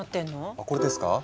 あこれですか？